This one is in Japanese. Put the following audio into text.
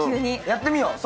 やってみよう。